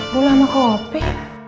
bulan mau kopi